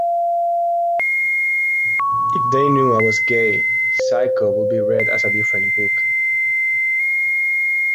If they knew I was gay, "Psycho" would be read as a different book.